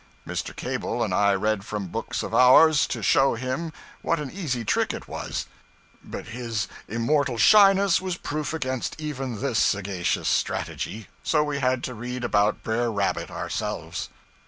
Mr. Cable and I read from books of ours, to show him what an easy trick it was; but his immortal shyness was proof against even this sagacious strategy, so we had to read about Brer Rabbit ourselves.